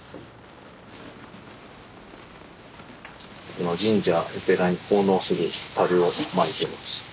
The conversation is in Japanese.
今神社お寺に奉納するたるを巻いてます。